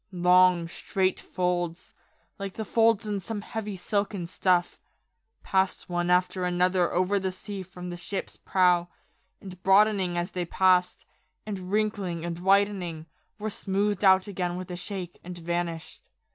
Long, straight folds, like the folds in some heavy silken stuff, passed one after another over the sea from the ship's prow, and broadening as they passed, and wrinkling and widening, were smoothed out again with a shake, and vanished.